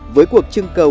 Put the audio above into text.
với cuộc chương cầu